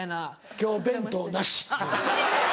今日弁当なし。